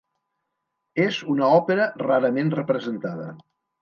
És una òpera rarament representada.